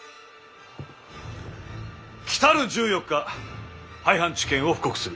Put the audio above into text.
来る１４日廃藩置県を布告する。